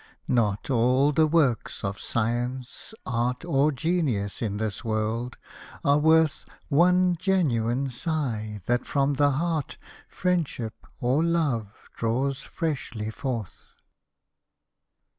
— Not all the works of Science, Art, Or Genius in this world are worth One genuine sigh, that from the heart Friendship or Love draws freshly forth.